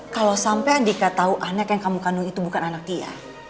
kalau sampai andika tahu anak yang kamu kandung itu bukan anak dia